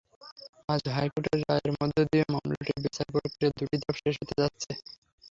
আজ হাইকোর্টের রায়ের মধ্য দিয়ে মামলাটির বিচারপ্রক্রিয়ার দুটি ধাপ শেষ হতে যাচ্ছে।